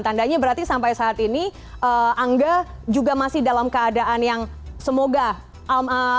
tandanya berarti sampai saat ini angga juga masih dalam keadaan yang semoga